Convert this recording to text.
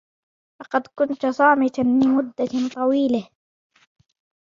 لقد كنت صامتا لمدة طويلة